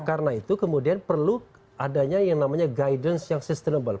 karena itu kemudian perlu adanya yang namanya guidance yang sustainable